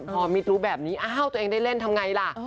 พอมิดรู้แบบนี้อ้าวตัวเองได้เล่นทำไงล่ะ